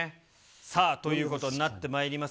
さあ、ということになってまいります。